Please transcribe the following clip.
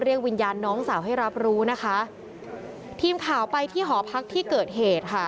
วิญญาณน้องสาวให้รับรู้นะคะทีมข่าวไปที่หอพักที่เกิดเหตุค่ะ